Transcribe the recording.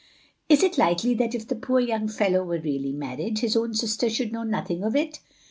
" Is it likely that if the poor yoting fellow were really married, his own sister should know nothing of it?